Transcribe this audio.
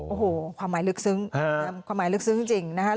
โอ้โหความหมายลึกซึ้งความหมายลึกซึ้งจริงนะคะ